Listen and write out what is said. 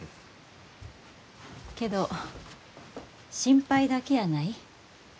けど心配だけやない。